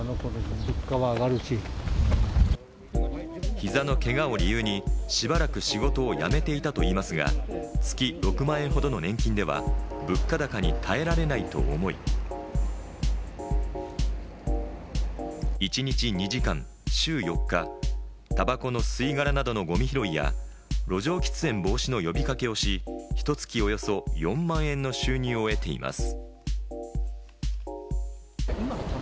膝のけがを理由にしばらく仕事をやめていたといいますが、月６万円ほどの年金では物価高に耐えられないと思い、一日２時間、週４日、たばこの吸い殻などのゴミ拾いや、路上喫煙防止の呼びかけをし、ひと月およそ４万円の収入を得ています。